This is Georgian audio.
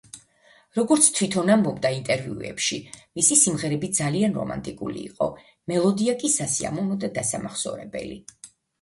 როგორც თვითონ ამბობდა ინტერვიუებში, მისი სიმღერები ძალიან რომანტიკული იყო, მელოდია კი სასიამოვნო და დასამახსოვრებელი.